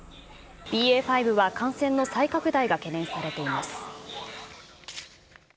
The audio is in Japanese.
ＢＡ．５は感染の再拡大が懸念されています。